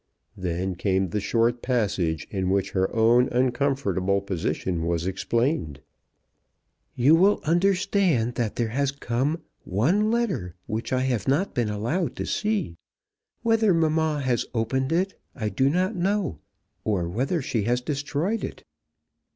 Then came the short passage in which her own uncomfortable position was explained; "You will understand that there has come one letter which I have not been allowed to see. Whether mamma has opened it I do not know, or whether she has destroyed it.